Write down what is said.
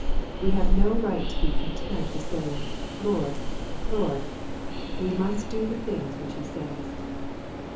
We have no right to be content with saying "Lord, Lord;" we must do the things which He says.